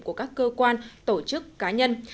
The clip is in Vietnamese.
của các cơ quan tổ chức cá nhân